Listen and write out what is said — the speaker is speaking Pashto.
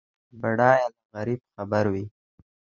بډای له غریب خبر وي.